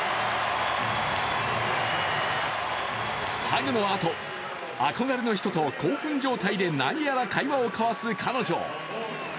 ハグのあと、憧れの人と興奮状態で何やら会話を交わす彼女。